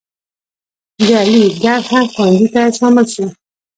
د علیګړهه ښوونځي ته شامل شو.